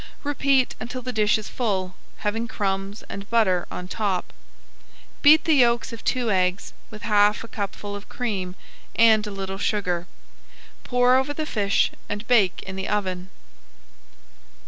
Repeat until the dish is full, having crumbs and butter on top. Beat the yolks of two eggs with half a cupful [Page 43] of cream and a little sugar. Pour over the fish and bake in the oven.